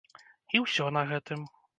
І ўсё на гэтым.